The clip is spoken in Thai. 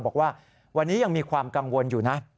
บอกว่าวันนี้ยังมีความกังวลอยู่นะ